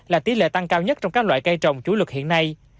là tỷ lệ tăng cao nhất trong các loại cây trồng chủ lực hiện nay